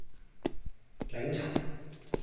檸茶